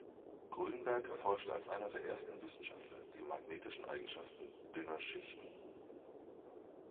Grünberg erforschte als einer der ersten Wissenschaftler die magnetischen Eigenschaften „dünner Schichten“.